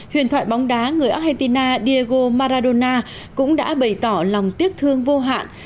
huyền thoại bóng đá người argentina diego maradona cũng đã bày tỏ lòng tiếc thương vô hạn